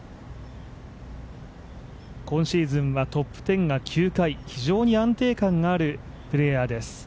今シーズンはトップ１０が９回非常に安定感があるプレーヤーです。